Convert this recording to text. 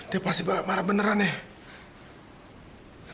dia pasti marah beneran nih